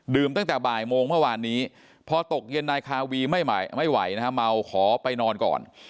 ตั้งแต่บ่ายโมงเมื่อวานนี้พอตกเย็นนายคาวีไม่ไหวนะฮะเมาขอไปนอนก่อน